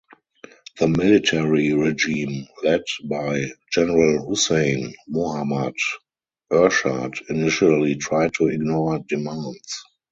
The military regime led by General Hussain Mohammad Ershad initially tried to ignore demands.